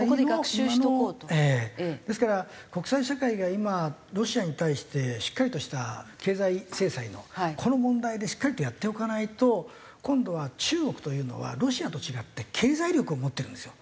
ですから国際社会が今ロシアに対してしっかりとした経済制裁のこの問題でしっかりとやっておかないと今度は中国というのはロシアと違って経済力を持ってるんですよ。